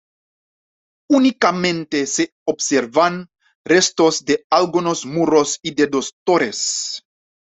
Únicamente se observan restos de algunos muros y de dos torres.